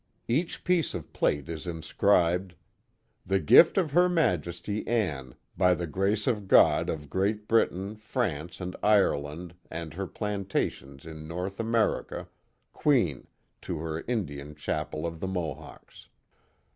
Each piece of plate is inscribed: The Gift of Her Majesty Ann, by the Grace of God, of Great Britain, ffrance and Ireland and Her Plantations in North America, Queen, to Her Indian Chappel of the Mohawks.